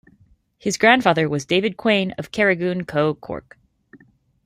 His grandfather was David Quain of Carrigoon, co. Cork.